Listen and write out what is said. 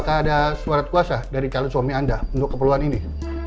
apakah ada suara kuasa dari suami anda untuk keperluan ini